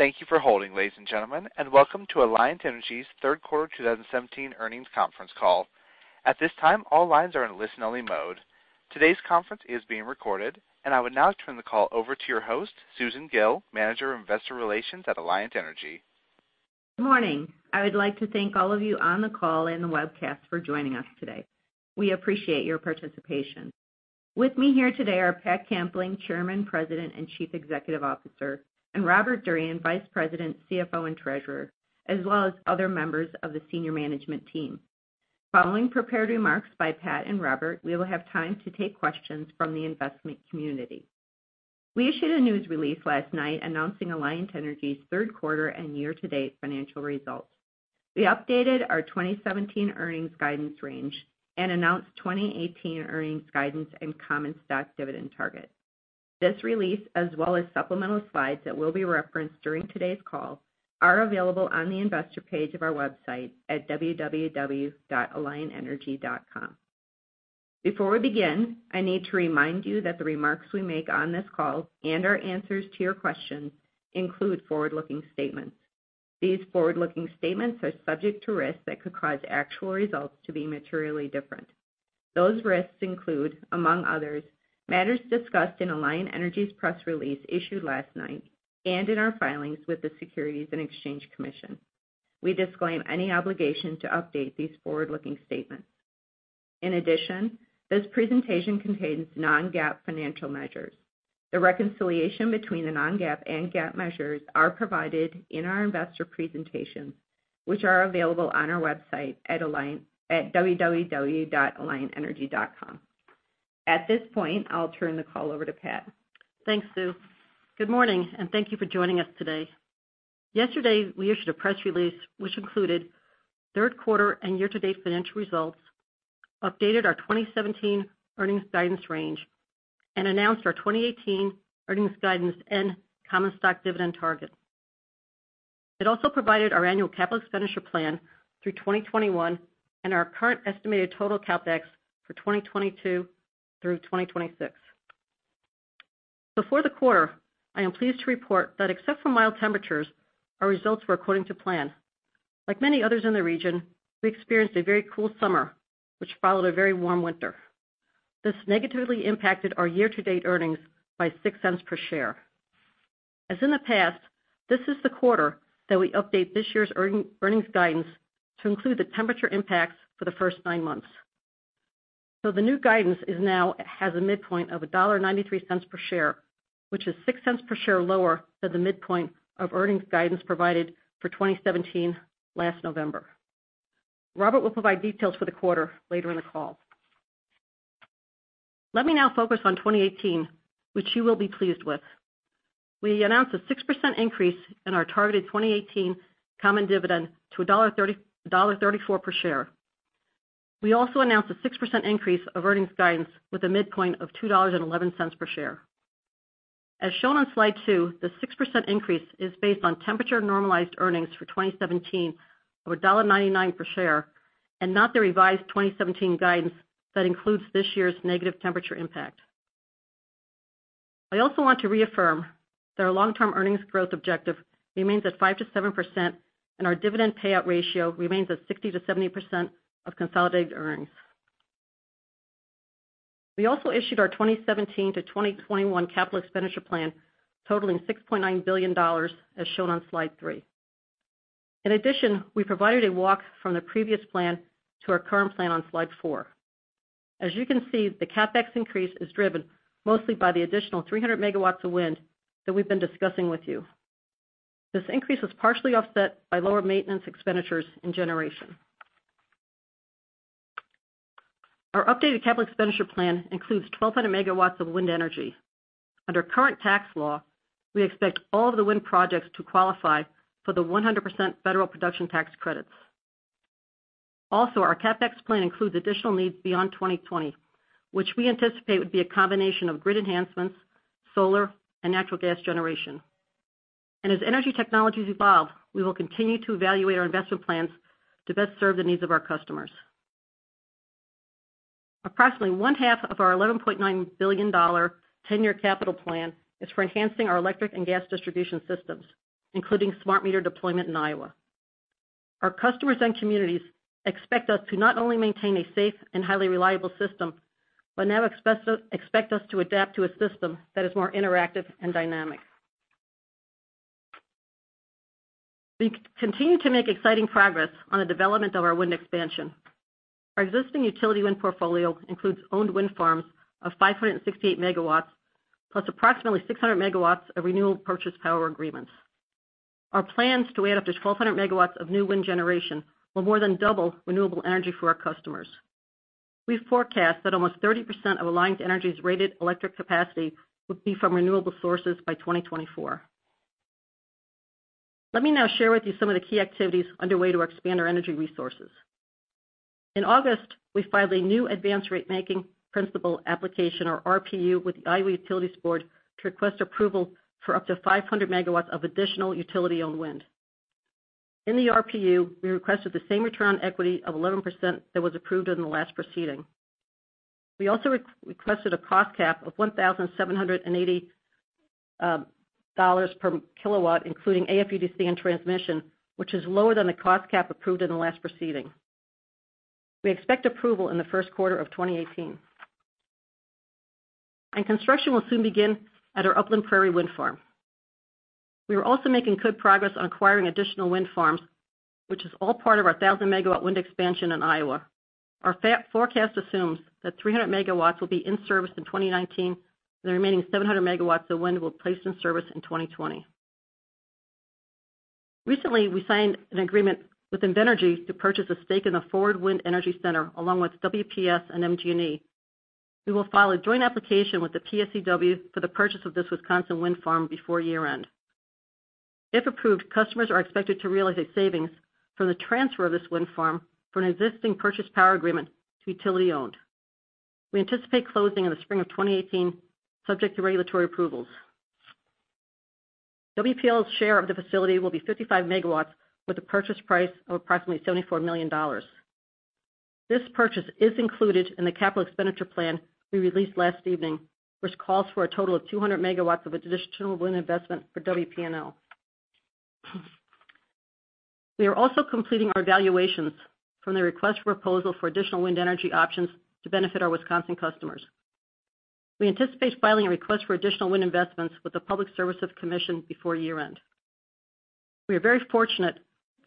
Thank you for holding, ladies and gentlemen. Welcome to Alliant Energy's third quarter 2017 earnings conference call. At this time, all lines are in listen-only mode. Today's conference is being recorded. I would now turn the call over to your host, Susan Gille, Manager of Investor Relations at Alliant Energy. Morning. I would like to thank all of you on the call in the webcast for joining us today. We appreciate your participation. With me here today are Patricia Kampling, Chairman, President, and Chief Executive Officer, Robert Durian, Vice President, CFO, and Treasurer, as well as other members of the senior management team. Following prepared remarks by Pat and Robert, we will have time to take questions from the investment community. We issued a news release last night announcing Alliant Energy's third quarter and year-to-date financial results. We updated our 2017 earnings guidance range, announced 2018 earnings guidance, and common stock dividend target. This release, as well as supplemental slides that will be referenced during today's call, are available on the investor page of our website at www.alliantenergy.com. Before we begin, I need to remind you that the remarks we make on this call and our answers to your questions include forward-looking statements. These forward-looking statements are subject to risks that could cause actual results to be materially different. Those risks include, among others, matters discussed in Alliant Energy's press release issued last night and in our filings with the Securities and Exchange Commission. We disclaim any obligation to update these forward-looking statements. This presentation contains non-GAAP financial measures. The reconciliation between the non-GAAP and GAAP measures are provided in our investor presentation, which are available on our website at www.alliantenergy.com. At this point, I'll turn the call over to Pat. Thanks, Sue. Good morning. Thank you for joining us today. Yesterday, we issued a press release, which included third quarter and year-to-date financial results, updated our 2017 earnings guidance range, announced our 2018 earnings guidance, and common stock dividend target. It also provided our annual capital expenditure plan through 2021 and our current estimated total CapEx for 2022 through 2026. Before the quarter, I am pleased to report that except for mild temperatures, our results were according to plan. Like many others in the region, we experienced a very cool summer, which followed a very warm winter. This negatively impacted our year-to-date earnings by $0.06 per share. As in the past, this is the quarter that we update this year's earnings guidance to include the temperature impacts for the first nine months. The new guidance now has a midpoint of $1.93 per share, which is $0.06 per share lower than the midpoint of earnings guidance provided for 2017 last November. Robert Durian will provide details for the quarter later in the call. Let me now focus on 2018, which you will be pleased with. We announced a 6% increase in our targeted 2018 common dividend to $1.34 per share. We also announced a 6% increase of earnings guidance with a midpoint of $2.11 per share. As shown on slide two, the 6% increase is based on temperature-normalized earnings for 2017 of $1.99 per share and not the revised 2017 guidance that includes this year's negative temperature impact. I also want to reaffirm that our long-term earnings growth objective remains at 5%-7%, and our dividend payout ratio remains at 60%-70% of consolidated earnings. We also issued our 2017-2021 capital expenditure plan totaling $6.9 billion, as shown on slide three. In addition, we provided a walk from the previous plan to our current plan on slide four. As you can see, the CapEx increase is driven mostly by the additional 300 megawatts of wind that we've been discussing with you. This increase is partially offset by lower maintenance expenditures in generation. Our updated capital expenditure plan includes 1,200 megawatts of wind energy. Under current tax law, we expect all of the wind projects to qualify for the 100% federal production tax credits. Also, our CapEx plan includes additional needs beyond 2020, which we anticipate would be a combination of grid enhancements, solar, and natural gas generation. As energy technologies evolve, we will continue to evaluate our investment plans to best serve the needs of our customers. Approximately one-half of our $11.9 billion 10-year capital plan is for enhancing our electric and gas distribution systems, including smart meter deployment in Iowa. Our customers and communities expect us to not only maintain a safe and highly reliable system but now expect us to adapt to a system that is more interactive and dynamic. We continue to make exciting progress on the development of our wind expansion. Our existing utility wind portfolio includes owned wind farms of 568 megawatts, plus approximately 600 megawatts of renewable purchase power agreements. Our plans to add up to 1,200 megawatts of new wind generation will more than double renewable energy for our customers. We forecast that almost 30% of Alliant Energy's rated electric capacity would be from renewable sources by 2024. Let me now share with you some of the key activities underway to expand our energy resources. In August, we filed a new advanced rate making principle application or RPU with the Iowa Utilities Board to request approval for up to 500 megawatts of additional utility-owned wind. In the RPU, we requested the same return on equity of 11% that was approved in the last proceeding. We also requested a cost cap of $1,780 per kilowatt, including AFUDC and transmission, which is lower than the cost cap approved in the last proceeding. We expect approval in the first quarter of 2018. Construction will soon begin at our Upland Prairie Wind Farm. We are also making good progress on acquiring additional wind farms, which is all part of our 1,000-megawatt wind expansion in Iowa. Our forecast assumes that 300 megawatts will be in service in 2019, and the remaining 700 megawatts of wind will be placed in service in 2020. Recently, we signed an agreement with Invenergy to purchase a stake in the Forward Wind Energy Center, along with WPS and MGE. We will file a joint application with the PSCW for the purchase of this Wisconsin wind farm before year-end. If approved, customers are expected to realize a savings from the transfer of this wind farm from an existing purchase power agreement to utility-owned. We anticipate closing in the spring of 2018, subject to regulatory approvals. WPL's share of the facility will be 55 megawatts with a purchase price of approximately $74 million. This purchase is included in the capital expenditure plan we released last evening, which calls for a total of 200 megawatts of additional wind investment for WPL. We are also completing our evaluations from the request for proposal for additional wind energy options to benefit our Wisconsin customers. We anticipate filing a request for additional wind investments with the Public Service Commission before year-end. We are very fortunate that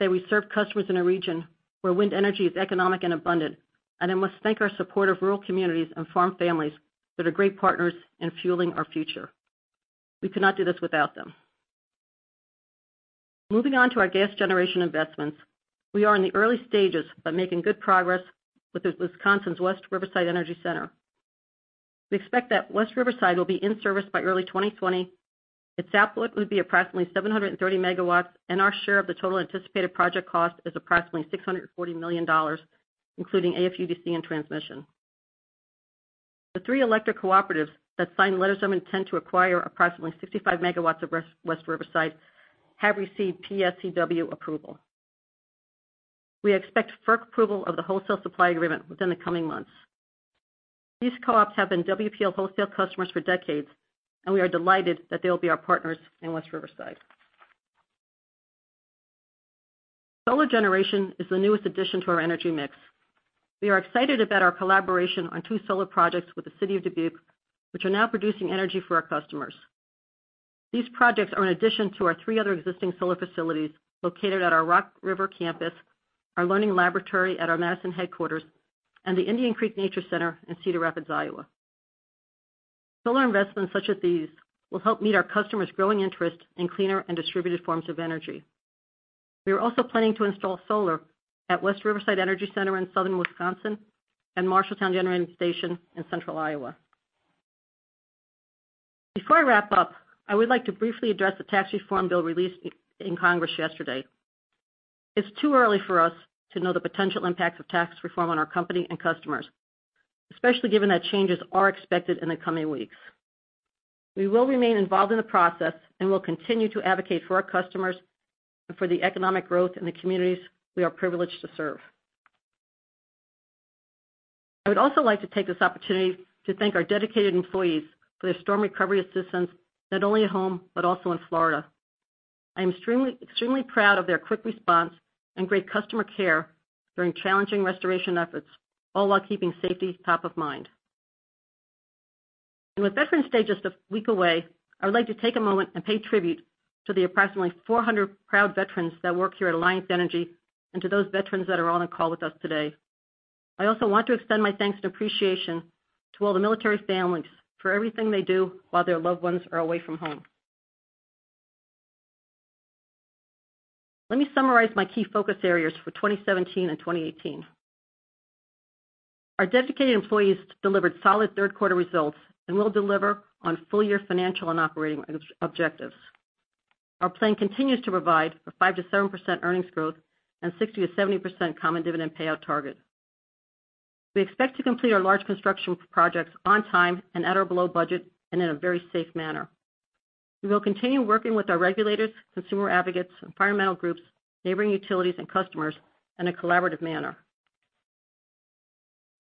we serve customers in a region where wind energy is economic and abundant, and I must thank our supportive rural communities and farm families that are great partners in fueling our future. We could not do this without them. Moving on to our gas generation investments. We are in the early stages but making good progress with Wisconsin's West Riverside Energy Center. We expect that West Riverside will be in service by early 2020. Its output will be approximately 730 megawatts, and our share of the total anticipated project cost is approximately $640 million, including AFUDC and transmission. The three electric cooperatives that signed letters of intent to acquire approximately 65 megawatts of West Riverside have received PSCW approval. We expect FERC approval of the wholesale supply agreement within the coming months. These co-ops have been WPL wholesale customers for decades, and we are delighted that they'll be our partners in West Riverside. Solar generation is the newest addition to our energy mix. We are excited about our collaboration on two solar projects with the city of Dubuque, which are now producing energy for our customers. These projects are in addition to our three other existing solar facilities located at our Rock River campus, our learning laboratory at our Madison headquarters, and the Indian Creek Nature Center in Cedar Rapids, Iowa. Solar investments such as these will help meet our customers' growing interest in cleaner and distributed forms of energy. We are also planning to install solar at West Riverside Energy Center in southern Wisconsin and Marshalltown Generating Station in central Iowa. Before I wrap up, I would like to briefly address the tax reform bill released in Congress yesterday. It's too early for us to know the potential impact of tax reform on our company and customers, especially given that changes are expected in the coming weeks. We will remain involved in the process and will continue to advocate for our customers and for the economic growth in the communities we are privileged to serve. I would also like to take this opportunity to thank our dedicated employees for their storm recovery assistance, not only at home but also in Florida. I'm extremely proud of their quick response and great customer care during challenging restoration efforts, all while keeping safety top of mind. With Veterans Day just a week away, I would like to take a moment and pay tribute to the approximately 400 proud veterans that work here at Alliant Energy and to those veterans that are on a call with us today. I also want to extend my thanks and appreciation to all the military families for everything they do while their loved ones are away from home. Let me summarize my key focus areas for 2017 and 2018. Our dedicated employees delivered solid third-quarter results and will deliver on full-year financial and operating objectives. Our plan continues to provide a 5%-7% earnings growth and 60%-70% common dividend payout target. We expect to complete our large construction projects on time and at or below budget and in a very safe manner. We will continue working with our regulators, consumer advocates, environmental groups, neighboring utilities, and customers in a collaborative manner.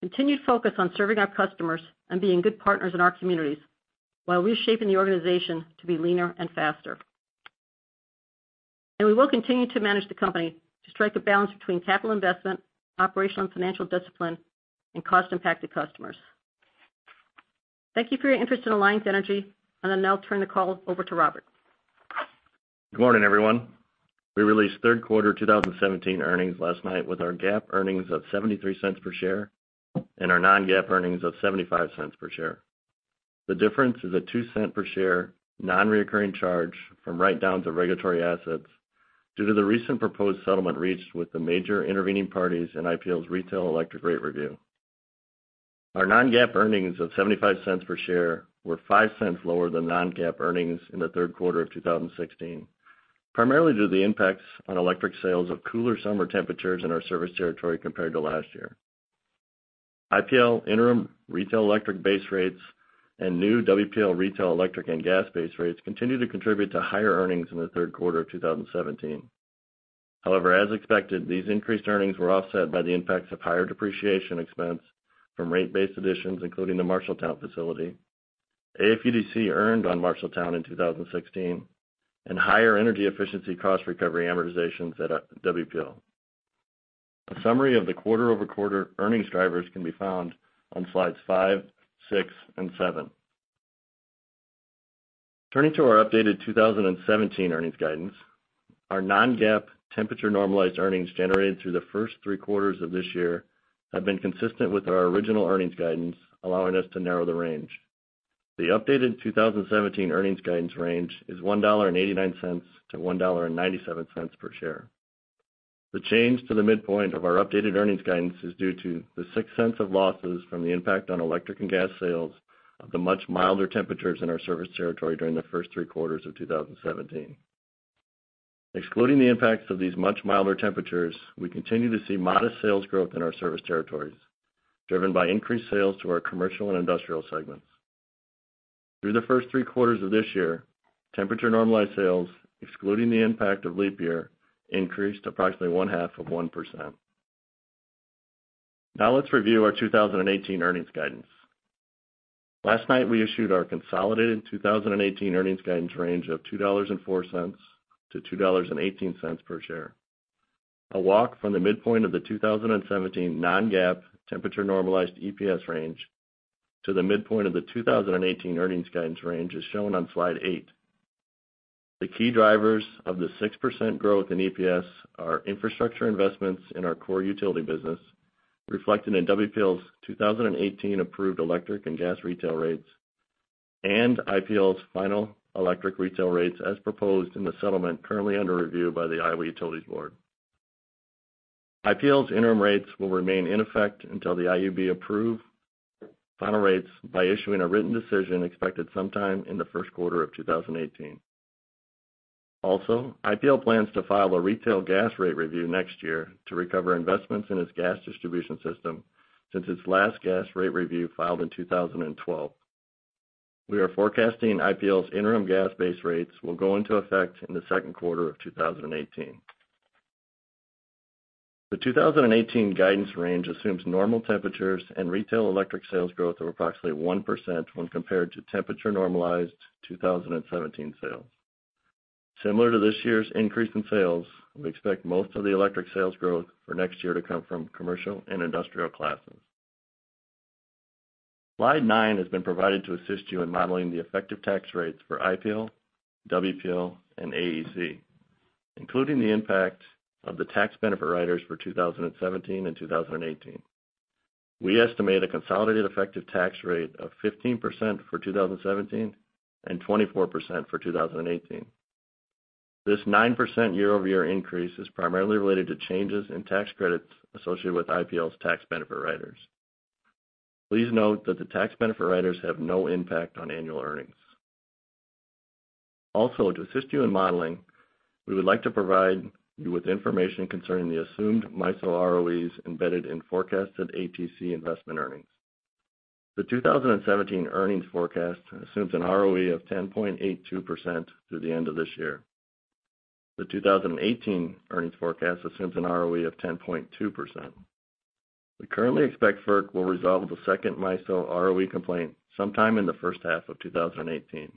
Continued focus on serving our customers and being good partners in our communities while reshaping the organization to be leaner and faster. We will continue to manage the company to strike a balance between capital investment, operational and financial discipline, and cost impact to customers. Thank you for your interest in Alliant Energy, and I'll now turn the call over to Robert. Good morning, everyone. We released third quarter 2017 earnings last night with our GAAP earnings of $0.73 per share and our non-GAAP earnings of $0.75 per share. The difference is a $0.02 per share non-reoccurring charge from write-downs of regulatory assets due to the recent proposed settlement reached with the major intervening parties in IPL's retail electric rate review. Our non-GAAP earnings of $0.75 per share were $0.05 lower than non-GAAP earnings in the third quarter of 2016, primarily due to the impacts on electric sales of cooler summer temperatures in our service territory compared to last year. IPL interim retail electric base rates and new WPL retail electric and gas base rates continue to contribute to higher earnings in the third quarter of 2017. However, as expected, these increased earnings were offset by the impacts of higher depreciation expense from rate base additions, including the Marshalltown facility. AFUDC earned on Marshalltown in 2016 and higher energy efficiency cost recovery amortizations at WPL. A summary of the quarter-over-quarter earnings drivers can be found on slides five, six, and seven. Turning to our updated 2017 earnings guidance, our non-GAAP temperature normalized earnings generated through the first three quarters of this year have been consistent with our original earnings guidance, allowing us to narrow the range. The updated 2017 earnings guidance range is $1.89-$1.97 per share. The change to the midpoint of our updated earnings guidance is due to the $0.06 of losses from the impact on electric and gas sales of the much milder temperatures in our service territory during the first three quarters of 2017. Excluding the impacts of these much milder temperatures, we continue to see modest sales growth in our service territories, driven by increased sales to our commercial and industrial segments. Through the first three quarters of this year, temperature normalized sales, excluding the impact of leap year, increased approximately one half of 1%. Let's review our 2018 earnings guidance. Last night, we issued our consolidated 2018 earnings guidance range of $2.04-$2.18 per share. A walk from the midpoint of the 2017 non-GAAP temperature normalized EPS range to the midpoint of the 2018 earnings guidance range is shown on slide eight. The key drivers of the 6% growth in EPS are infrastructure investments in our core utility business, reflected in WPL's 2018 approved electric and gas retail rates, and IPL's final electric retail rates as proposed in the settlement currently under review by the Iowa Utilities Board. IPL's interim rates will remain in effect until the IUB approve final rates by issuing a written decision expected sometime in the first quarter of 2018. IPL plans to file a retail gas rate review next year to recover investments in its gas distribution system, since its last gas rate review filed in 2012. We are forecasting IPL's interim gas base rates will go into effect in the second quarter of 2018. The 2018 guidance range assumes normal temperatures and retail electric sales growth of approximately 1% when compared to temperature normalized 2017 sales. Similar to this year's increase in sales, we expect most of the electric sales growth for next year to come from commercial and industrial classes. Slide nine has been provided to assist you in modeling the effective tax rates for IPL, WPL, and AEC, including the impact of the tax benefit riders for 2017 and 2018. We estimate a consolidated effective tax rate of 15% for 2017 and 24% for 2018. This 9% year-over-year increase is primarily related to changes in tax credits associated with IPL's tax benefit riders. Please note that the tax benefit riders have no impact on annual earnings. To assist you in modeling, we would like to provide you with information concerning the assumed MISO ROEs embedded in forecasted ATC investment earnings. The 2017 earnings forecast assumes an ROE of 10.82% through the end of this year. The 2018 earnings forecast assumes an ROE of 10.2%. We currently expect FERC will resolve the second MISO ROE complaint sometime in the first half of 2018.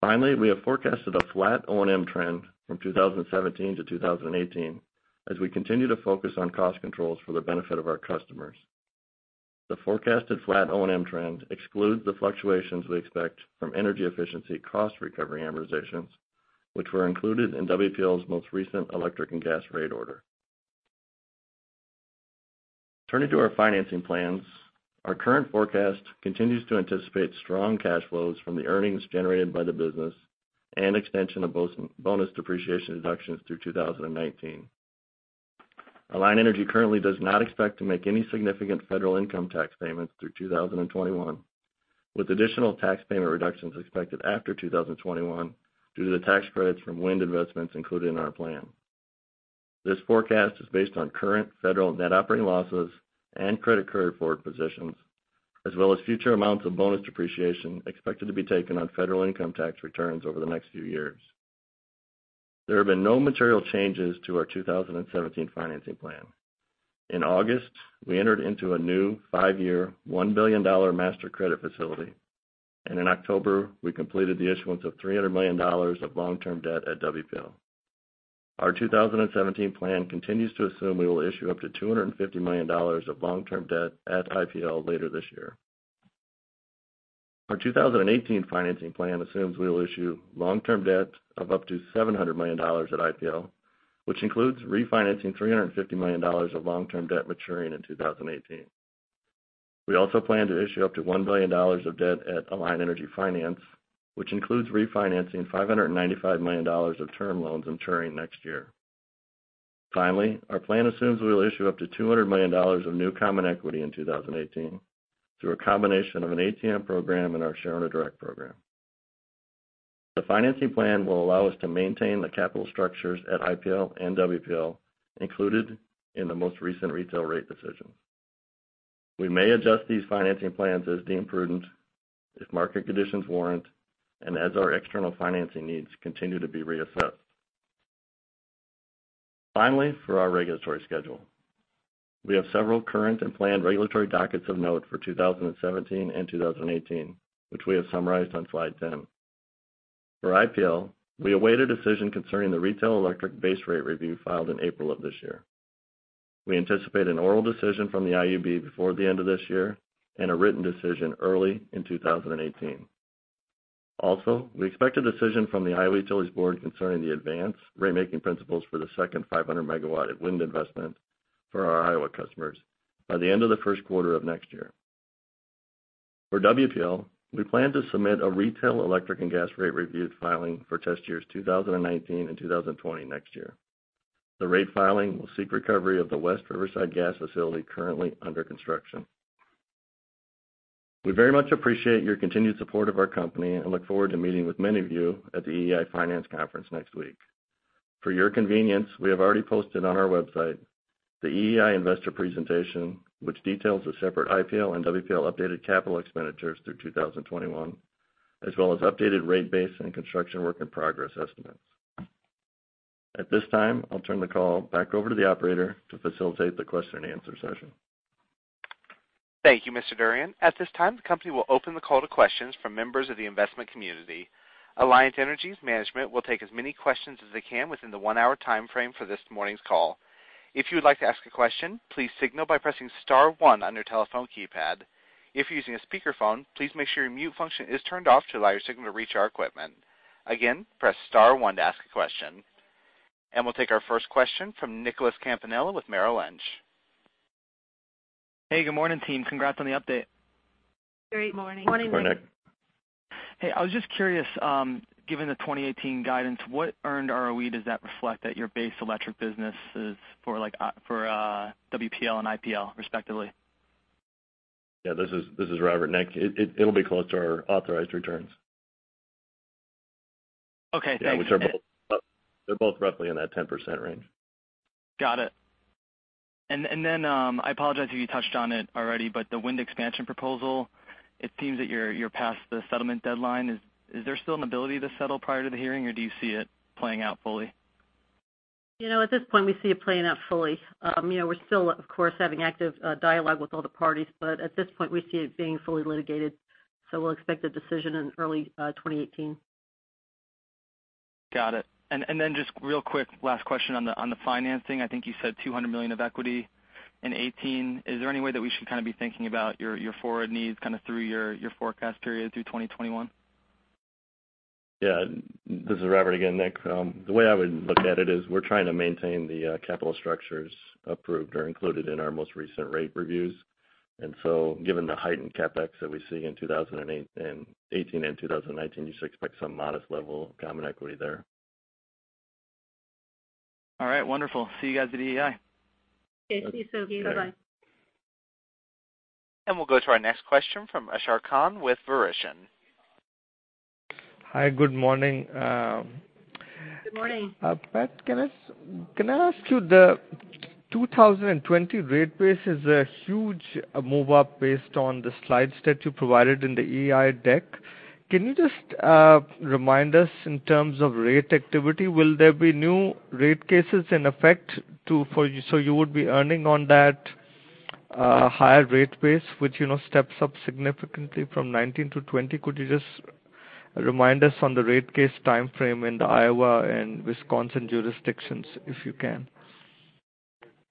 Finally, we have forecasted a flat O&M trend from 2017 to 2018 as we continue to focus on cost controls for the benefit of our customers. The forecasted flat O&M trend excludes the fluctuations we expect from energy efficiency cost recovery amortizations, which were included in WPL's most recent electric and gas rate order. Turning to our financing plans, our current forecast continues to anticipate strong cash flows from the earnings generated by the business and extension of bonus depreciation deductions through 2019. Alliant Energy currently does not expect to make any significant federal income tax payments through 2021, with additional tax payment reductions expected after 2021 due to the tax credits from wind investments included in our plan. This forecast is based on current federal net operating losses and credit carried forward positions, as well as future amounts of bonus depreciation expected to be taken on federal income tax returns over the next few years. There have been no material changes to our 2017 financing plan. In August, we entered into a new five-year, $1 billion master credit facility. In October, we completed the issuance of $300 million of long-term debt at WPL. Our 2017 plan continues to assume we will issue up to $250 million of long-term debt at IPL later this year. Our 2018 financing plan assumes we will issue long-term debt of up to $700 million at IPL, which includes refinancing $350 million of long-term debt maturing in 2018. We also plan to issue up to $1 billion of debt at Alliant Energy Finance, which includes refinancing $595 million of term loans maturing next year. Our plan assumes we will issue up to $200 million of new common equity in 2018 through a combination of an ATM program and our Shareowner Direct program. The financing plan will allow us to maintain the capital structures at IPL and WPL included in the most recent retail rate decision. We may adjust these financing plans as deemed prudent if market conditions warrant and as our external financing needs continue to be reassessed. For our regulatory schedule, we have several current and planned regulatory dockets of note for 2017 and 2018, which we have summarized on slide 10. For IPL, we await a decision concerning the retail electric base rate review filed in April of this year. We anticipate an oral decision from the IUB before the end of this year and a written decision early in 2018. We expect a decision from the Iowa Utilities Board concerning the advanced ratemaking principles for the second 500-megawatt wind investment for our Iowa customers by the end of the first quarter of next year. For WPL, we plan to submit a retail electric and gas rate review filing for test years 2019 and 2020 next year. The rate filing will seek recovery of the West Riverside Energy Center currently under construction. We very much appreciate your continued support of our company and look forward to meeting with many of you at the EEI Financial Conference next week. For your convenience, we have already posted on our website the EEI investor presentation, which details the separate IPL and WPL updated capital expenditures through 2021, as well as updated rate base and construction work in progress estimates. At this time, I'll turn the call back over to the operator to facilitate the question and answer session. Thank you, Mr. Durian. At this time, the company will open the call to questions from members of the investment community. Alliant Energy's management will take as many questions as they can within the one-hour timeframe for this morning's call. If you would like to ask a question, please signal by pressing star one on your telephone keypad. If you're using a speakerphone, please make sure your mute function is turned off to allow your signal to reach our equipment. Again, press star one to ask a question. We'll take our first question from Nicholas Campanella with Merrill Lynch. Hey, good morning, team. Congrats on the update. Good morning. Morning, Nick. Hey, I was just curious, given the 2018 guidance, what earned ROE does that reflect at your base electric businesses for WPL and IPL, respectively? Yeah, this is Robert. Nick, it'll be closer to our authorized returns. Okay, thank you. They're both roughly in that 10% range. Got it. I apologize if you touched on it already, but the wind expansion proposal, it seems that you're past the settlement deadline. Is there still an ability to settle prior to the hearing, or do you see it playing out fully? At this point, we see it playing out fully. We're still, of course, having active dialogue with all the parties. At this point, we see it being fully litigated. We'll expect a decision in early 2018. Got it. Just real quick, last question on the financing. I think you said $200 million of equity in 2018. Is there any way that we should kind of be thinking about your forward needs kind of through your forecast period through 2021? Yeah. This is Robert again, Nick. The way I would look at it is we're trying to maintain the capital structures approved or included in our most recent rate reviews. Given the heightened CapEx that we see in 2018 and 2019, you should expect some modest level of common equity there. All right, wonderful. See you guys at EEI. Okay. See you soon. Bye. We'll go to our next question from Ashar Khan with Visium. Hi, good morning. Good morning. Pat, can I ask you the 2020 rate base is a huge move up based on the slides that you provided in the EEI deck. Can you just remind us in terms of rate activity, will there be new rate cases in effect so you would be earning on that higher rate base, which steps up significantly from 2019 to 2020? Could you just remind us on the rate case timeframe in the Iowa and Wisconsin jurisdictions if you can?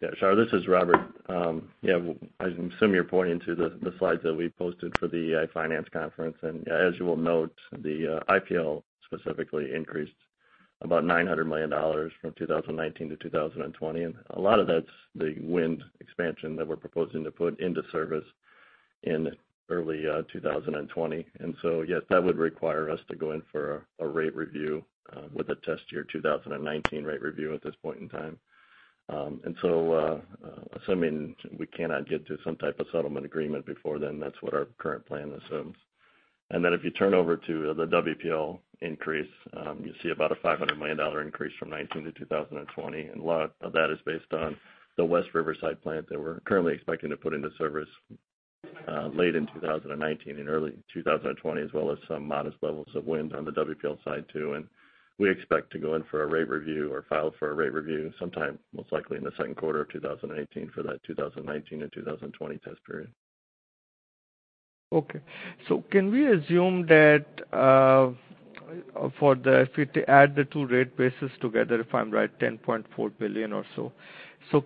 Yeah, Ashar, this is Robert. I assume you're pointing to the slides that we posted for the EEI Financial Conference. As you will note, the IPL specifically increased about $900 million from 2019 to 2020, a lot of that's the wind expansion that we're proposing to put into service in early 2020. Yes, that would require us to go in for a rate review with a test year 2019 rate review at this point in time. Assuming we cannot get to some type of settlement agreement before then, that's what our current plan assumes. If you turn over to the WPL increase, you see about a $500 million increase from 2019 to 2020, a lot of that is based on the West Riverside plant that we're currently expecting to put into service late in 2019 and early 2020, as well as some modest levels of wind on the WPL side, too. We expect to go in for a rate review or file for a rate review sometime, most likely in the second quarter of 2018 for that 2019 and 2020 test period. Okay. Can we assume that if we add the two rate bases together, if I'm right, $10.4 billion or so.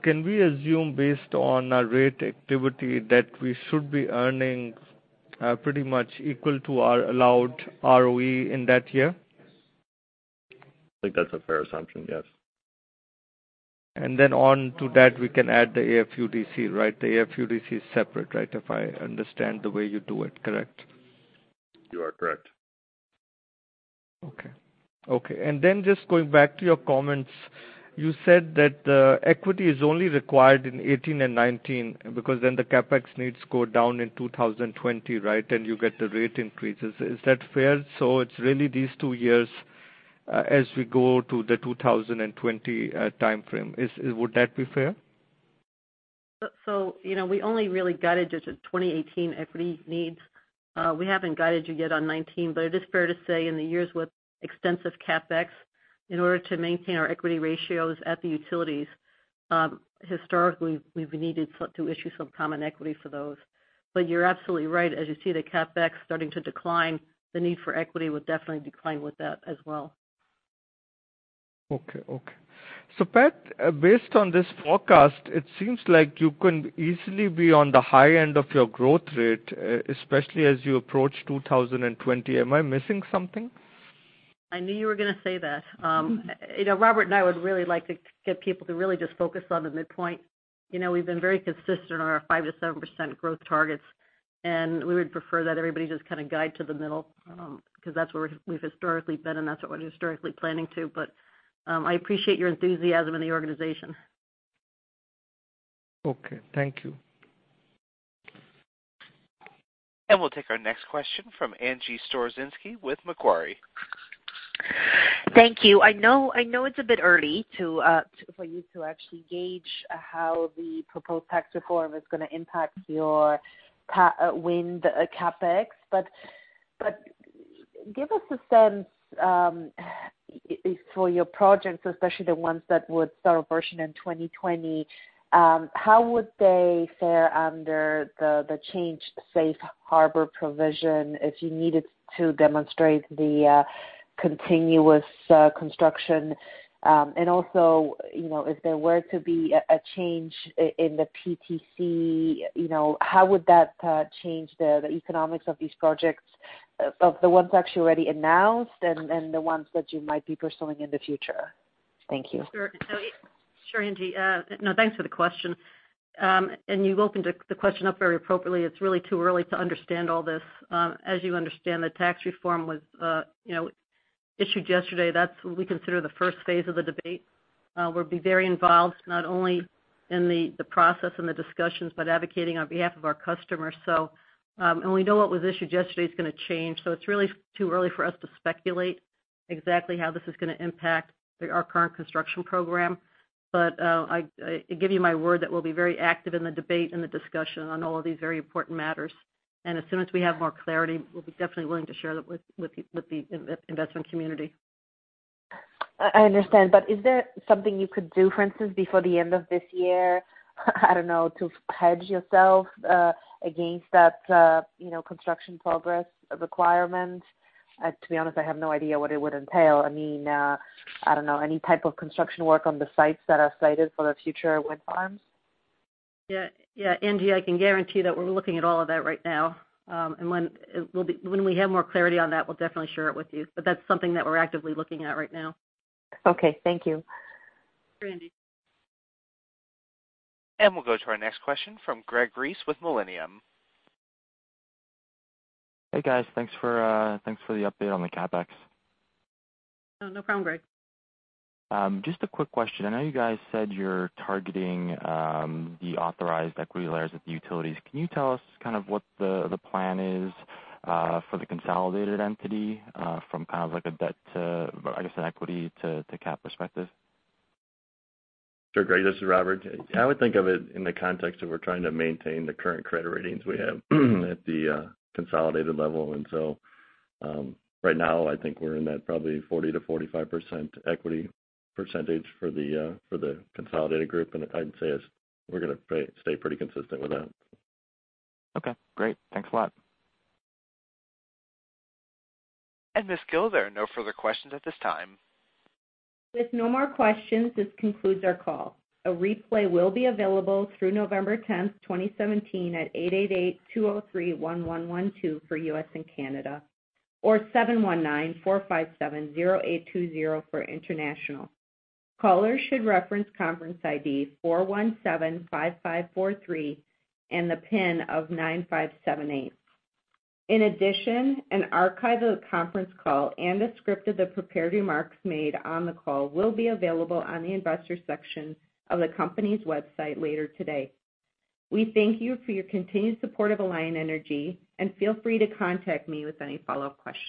Can we assume based on our rate activity that we should be earning pretty much equal to our allowed ROE in that year? I think that's a fair assumption, yes. On to that, we can add the AFUDC, right? The AFUDC is separate, right? If I understand the way you do it. Correct? You are correct. Okay. Okay. Then just going back to your comments, you said that the equity is only required in 2018 and 2019 because then the CapEx needs go down in 2020, right? You get the rate increases. Is that fair? It's really these two years, as we go to the 2020 timeframe. Would that be fair? We only really guided the 2018 equity needs. We haven't guided you yet on 2019, but it is fair to say in the years with extensive CapEx, in order to maintain our equity ratios at the utilities, historically, we've needed to issue some common equity for those. You're absolutely right. As you see the CapEx starting to decline, the need for equity will definitely decline with that as well. Okay. Pat, based on this forecast, it seems like you can easily be on the high end of your growth rate, especially as you approach 2020. Am I missing something? I knew you were going to say that. Robert and I would really like to get people to really just focus on the midpoint. We've been very consistent on our 5%-7% growth targets, we would prefer that everybody just kind of guide to the middle, because that's where we've historically been, and that's what we're historically planning to. I appreciate your enthusiasm in the organization. Okay. Thank you. We'll take our next question from Angie Storozynski with Macquarie. Thank you. I know it's a bit early for you to actually gauge how the proposed tax reform is going to impact your wind CapEx. Give us a sense for your projects, especially the ones that would start operation in 2020, how would they fare under the changed safe harbor provision if you needed to demonstrate the continuous construction? Also, if there were to be a change in the PTC, how would that change the economics of these projects, of the ones actually already announced and the ones that you might be pursuing in the future? Thank you. Sure, Angie. No, thanks for the question. You opened the question up very appropriately. It's really too early to understand all this. As you understand, the tax reform was issued yesterday. That's what we consider the first phase of the debate. We'll be very involved, not only in the process and the discussions, but advocating on behalf of our customers. We know what was issued yesterday is going to change, so it's really too early for us to speculate exactly how this is going to impact our current construction program. I give you my word that we'll be very active in the debate and the discussion on all of these very important matters. As soon as we have more clarity, we'll be definitely willing to share that with the investment community. I understand, is there something you could do, for instance, before the end of this year, I don't know, to hedge yourself against that construction progress requirement? To be honest, I have no idea what it would entail. I mean, I don't know, any type of construction work on the sites that are cited for the future wind farms? Yeah. Angie, I can guarantee you that we're looking at all of that right now. When we have more clarity on that, we'll definitely share it with you. That's something that we're actively looking at right now. Okay. Thank you. Sure, Angie. We'll go to our next question from Greg Reiss with Millennium. Hey, guys. Thanks for the update on the CapEx. Oh, no problem, Greg. Just a quick question. I know you guys said you're targeting the authorized equity layers of the utilities. Can you tell us kind of what the plan is for the consolidated entity from kind of like a debt to, I guess, an equity to cap perspective? Sure, Greg, this is Robert. I would think of it in the context of we're trying to maintain the current credit ratings we have at the consolidated level. Right now, I think we're in that probably 40%-45% equity percentage for the consolidated group. I'd say we're going to stay pretty consistent with that. Okay, great. Thanks a lot. Ms. Gille, there are no further questions at this time. With no more questions, this concludes our call. A replay will be available through November 10th, 2017, at 888-203-1112 for U.S. and Canada or 719-457-0820 for international. Callers should reference conference ID 4175543 and the PIN of 9578. In addition, an archive of the conference call and a script of the prepared remarks made on the call will be available on the Investors section of the company's website later today. We thank you for your continued support of Alliant Energy, feel free to contact me with any follow-up questions